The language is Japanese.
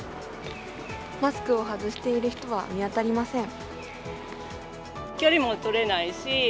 マスクを外している人は見当たりません。